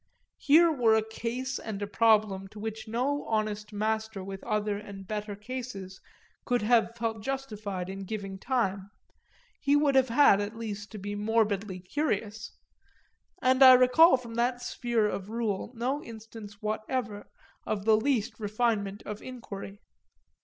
Here were a case and a problem to which no honest master with other and better cases could have felt justified in giving time; he would have had at least to be morbidly curious, and I recall from that sphere of rule no instance whatever of the least refinement of inquiry.